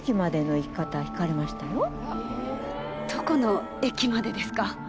どこの駅までですか？